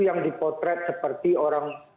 yang dipotret seperti orang